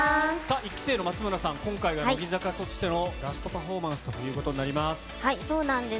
１期生のまつむらさん、今回は乃木坂としてのラストパフォーマンスとなります。